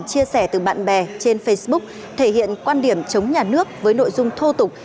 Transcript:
chia sẻ từ bạn bè trên facebook thể hiện quan điểm chống nhà nước với nội dung thô tục